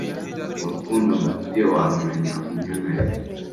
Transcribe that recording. Urukundo nkufitiye warumenya unyemereye